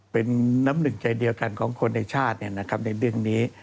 เป็นน้ำหนึ่งใจเดียวกันของคนในชาติในเรื่องนี้